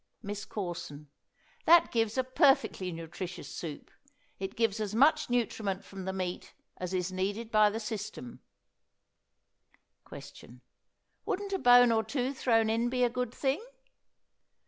MISS CORSON. That gives a perfectly nutritious soup. It gives as much nutriment from the meat as is needed by the system. Question. Wouldn't a bone or two thrown in be a good thing?